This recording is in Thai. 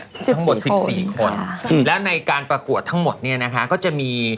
ทั้งหมด๑๔คนและในการประกวดทั้งหมดเนี่ยนะคะก็จะมี